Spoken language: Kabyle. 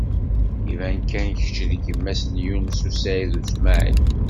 Iban kan kecc d gma-s n Yunes u Saɛid u Smaɛil.